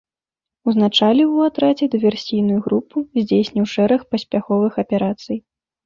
Узначаліў у атрадзе дыверсійную групу, здзейсніў шэраг паспяховых аперацый.